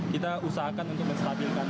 kita usahakan untuk menstabilkan